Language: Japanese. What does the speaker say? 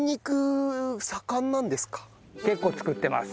結構作ってます。